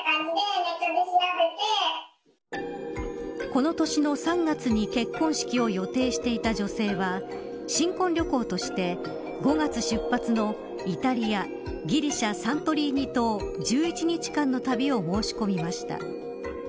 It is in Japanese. この年の３月に結婚式を予定していた女性は新婚旅行として５月出発のイタリアギリシャ、サントリーニ島１１日間の旅を申し込みました。